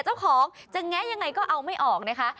เจ้าของจะแงะยังไงก็เอาไม่ออกนะคะ